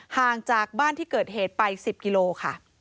ห่างจากบ้านที่เกิดเหตุไป๑๐กิโลค่ะ